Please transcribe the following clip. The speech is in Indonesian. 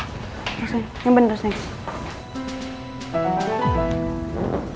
terus nek nyempen terus nek